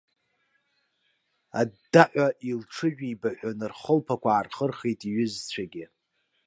Аддаҳәа илҽыжәибаҳәан, рхылԥақәа аархырхит иҩызцәагьы.